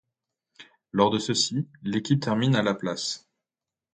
Lors de ceux-ci, l'équipe termine à la place.